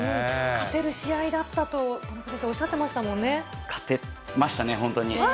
勝てる試合だったとおっしゃ勝てましたね、本当に。